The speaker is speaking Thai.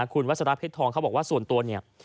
คุณวัสราเพชรทองเขาบอกว่าส่วนตัวเนี่ย